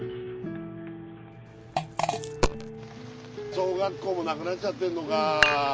小学校もなくなっちゃってんのか。